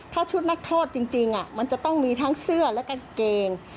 ถ้าชุดนักโทษจริงมันจะต้องมีทั้งเสื้อและกางเกง